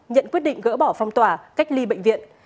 nhận quyết định gỡ bỏ phong tỏa cách ly bệnh viện